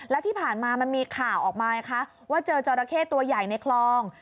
แล้วที่ผ่านมามันมีข่าวออกมาไงคะว่าเจอจราเข้ตัวใหญ่ในคลอง